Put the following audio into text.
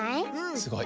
すごい。